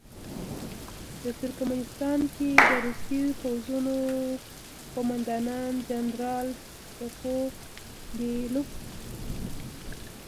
د ترکمنستان کې د روسي پوځونو قوماندان جنرال سکو بیلوف.